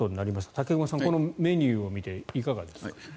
武隈さん、このメニューを見ていかがですか？